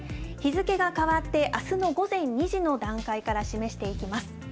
日付が変わって、あすの午前２時の段階から示していきます。